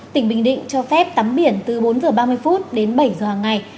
tỉnh bình định cho phép tắm biển từ bốn h ba mươi phút đến bảy giờ hàng ngày